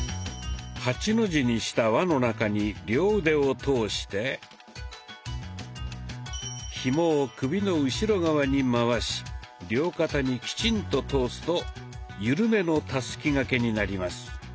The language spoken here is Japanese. ８の字にした輪の中に両腕を通してひもを首の後ろ側に回し両肩にきちんと通すとゆるめの「たすき掛け」になります。